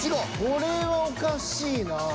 これはおかしいなぁ。